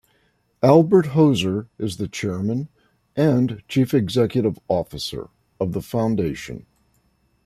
Albert Hoser is the chairman and chief executive officer of the foundation.